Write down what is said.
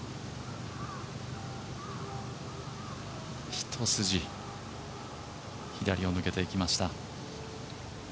一筋左を抜けていきました。